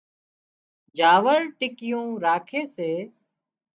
جاور ٽِڪيُون راکي سي